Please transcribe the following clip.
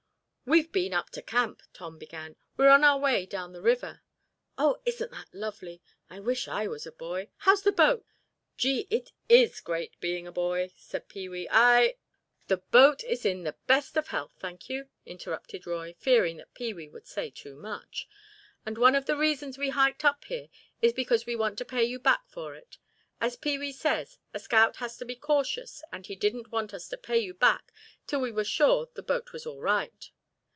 "We've been up to camp," Tom began. "We're on our way down the river." "Oh, isn't that lovely—I wish I was a boy! How's the boat?" "Gee, it is great being a boy," said Pee wee. "I—" "The boat is in the best of health, thank you," interrupted Roy, fearing that Pee wee would say too much; "and one of the reasons we hiked up here is because we want to pay you back for it. As Pee wee says, a scout has to be cautious and he didn't want us to pay you back till we were sure the boat was all right."